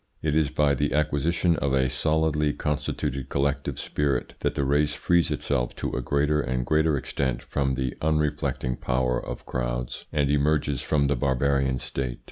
It is by the acquisition of a solidly constituted collective spirit that the race frees itself to a greater and greater extent from the unreflecting power of crowds, and emerges from the barbarian state.